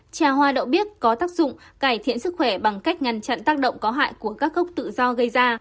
trà hoa đậu biết có tác dụng cải thiện sức khỏe bằng cách ngăn chặn tác động có hại của các gốc tự do gây ra